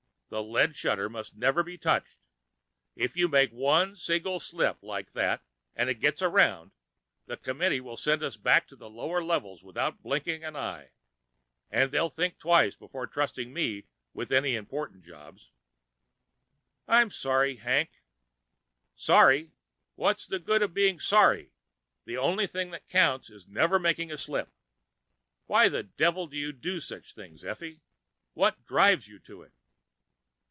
The lead shutter must never be touched! If you make one single slip like that and it gets around, the Committee will send us back to the lower levels without blinking an eye. And they'll think twice before trusting me with any important jobs." "I'm sorry, Hank." "Sorry? What's the good of being sorry? The only thing that counts is never to make a slip! Why the devil do you do such things, Effie? What drives you to it?"